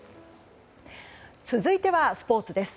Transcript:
続いてはスポーツです。